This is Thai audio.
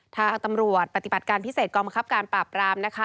ทางตำรวจปฏิบัติการพิเศษกองบังคับการปราบรามนะคะ